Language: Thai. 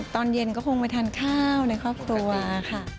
ตอนเย็นก็คงไปทานข้าวในครอบครัวค่ะ